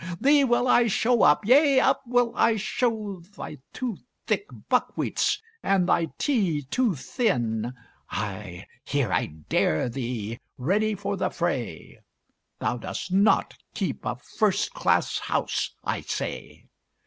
Thee will I show up yea, up will I show Thy too thick buckwheats, and thy tea too thin. Ay! here I dare thee, ready for the fray: Thou dost not "keep a first class house," I say!